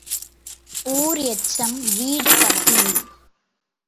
ஊர் எச்சம் வீடு பட்டினி.